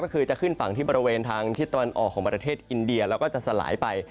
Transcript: ก็คือจะขึ้นฝั่งที่บริเวณทางทิศตะวันออกของประเทศอินเดียแล้วก็จะสลายไป